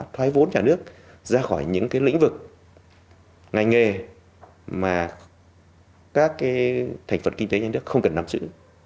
thoái vốn nhà nước ra khỏi những lĩnh vực ngành nghề mà các cái thành phần kinh tế nhà nước không cần nắm giữ